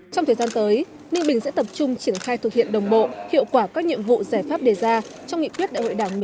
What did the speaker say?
trong thời gian tới ninh bình sẽ tập trung triển khai thực hiện đồng bộ hiệu quả các nhiệm vụ giải pháp đề ra trong nghị quyết đại hội đảng một mươi hai